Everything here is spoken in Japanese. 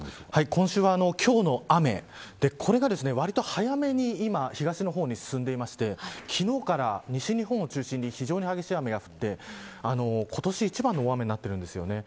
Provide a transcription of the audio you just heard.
今週は今日の雨これがわりと早めに今、東の方に進んでいて昨日から西日本を中心に非常に激しい雨が降っていて今年一番の大雨になっているんです。